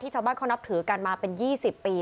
ที่เขานับถือกันมา๒๐ปี